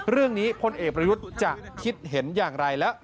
เรื่องนี้พลเอกประยุทธจะคิดเห็นอย่างไรแล้ว